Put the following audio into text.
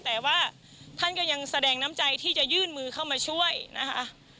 แต่ว่าท่านก็ยังแสดงน้ำใจที่จะยื่นมือเข้ามาช่วยนะคะ